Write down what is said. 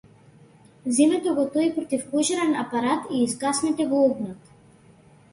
Земете го тој противпожарен апарат и изгаснете го огнот!